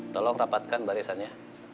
tolong rapatkan barisannya